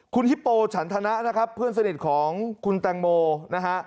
คุณฮิปโปฉันธนะนะครับเพื่อนสนิทของคุณแตงโมนะฮะ